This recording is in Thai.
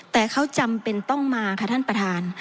แต่เขาจำเป็นต้องมาค่ะท่านประธาน